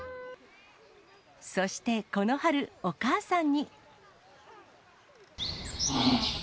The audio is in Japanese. そしてこの春、お母さんに。